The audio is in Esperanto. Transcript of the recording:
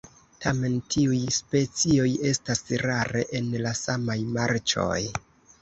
Tamen tiuj specioj estas rare en la samaj marĉoj.